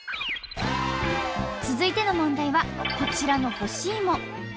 続いての問題はこちらの干し芋。